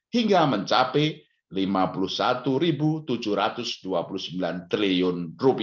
hingga mencapai rp lima puluh satu tujuh ratus dua puluh sembilan triliun